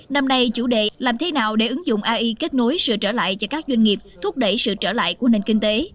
năm nay chủ đề làm thế nào để ứng dụng ai kết nối sự trở lại cho các doanh nghiệp thúc đẩy sự trở lại của nền kinh tế